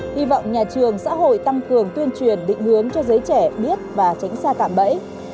hy vọng nhà trường xã hội tăng cường tuyên truyền định hướng cho giới trẻ biết và tránh xa cản bẫy